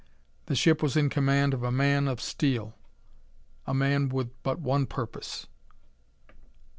The ship was in command of a man of steel, a man with but one purpose....